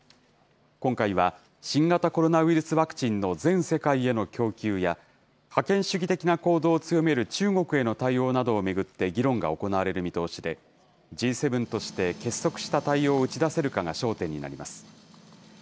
今回は新型コロナウイルスワクチンの全世界への供給や、覇権主義的な行動を強める中国への対応などを巡って議論が行われる見通しで、Ｇ７として結束した対応を打ち出せるかが焦点になります。